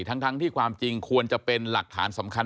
ทั้งที่ความจริงควรจะเป็นหลักฐานสำคัญ